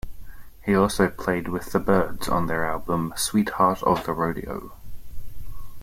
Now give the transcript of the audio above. He also played with The Byrds on their album "Sweetheart of the Rodeo".